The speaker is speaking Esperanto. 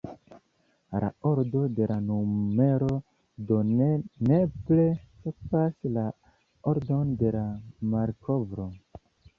La ordo de la numero do ne nepre sekvas la ordon de la malkovro.